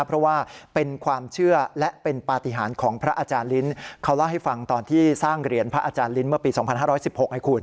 เพราะว่าเป็นความเชื่อและเป็นปฏิหารของพระอาจารย์ลิ้นเขาเล่าให้ฟังตอนที่สร้างเหรียญพระอาจารย์ลิ้นเมื่อปี๒๕๑๖ให้คุณ